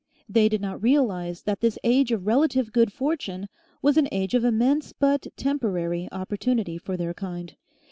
They did not realise that this age of relative good fortune was an age of immense but temporary opportunity for their kind.